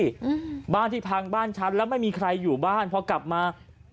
อืมบ้านที่พังบ้านฉันแล้วไม่มีใครอยู่บ้านพอกลับมา